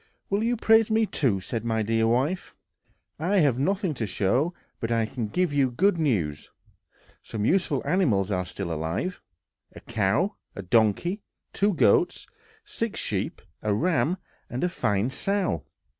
"Will you praise me, too?" said my dear wife. "I have nothing to show, but I can give you good news. Some useful animals are still alive; a cow, a donkey, two goats, six sheep, a ram and a fine sow.